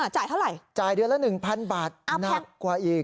จ่ายเท่าไหร่จ่ายเดือนละ๑๐๐บาทหนักกว่าอีก